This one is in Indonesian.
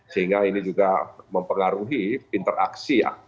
sehingga ini juga mempengaruhi interaksi ya